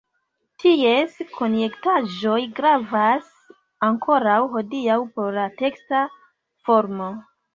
Ties konjektaĵoj gravas ankoraŭ hodiaŭ por la teksta formo.